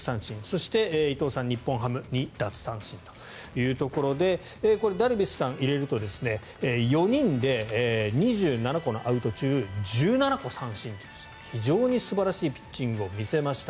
そして伊藤さん、日本ハム２奪三振ということで４人で２７個のアウト中１７個三振という非常に素晴らしいピッチングを見せました。